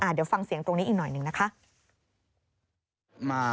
เดี๋ยวฟังเสียงตรงนี้อีกหน่อยหนึ่งนะคะ